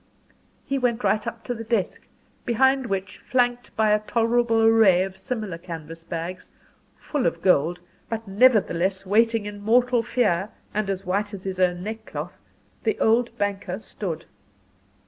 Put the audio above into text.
He went right up to the desk, behind which, flanked by a tolerable array of similar canvas bags, full of gold but nevertheless waiting in mortal fear, and as white as his own neck cloth the old banker stood.